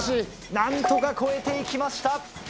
何とか越えて行きました。